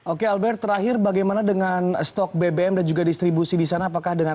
oke albert terakhir bagaimana dengan stok bbm dan juga distribusi di sana apakah dengan